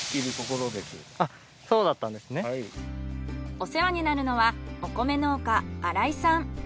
お世話になるのはお米農家新井さん。